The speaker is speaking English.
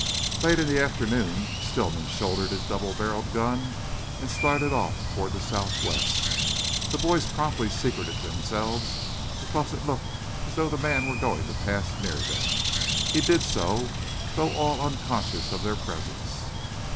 Late in the afternoon Stillman shouldered his double barrelled gun and started off toward the southwest. The boys promptly secreted themselves, because it looked as though the man were going to pass near them. He did so, though all unconscious of their presence.